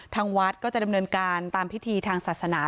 ทางวัดก็จะดำเนินการตามพิธีทางศาสนา